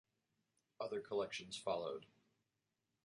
Other collections followed.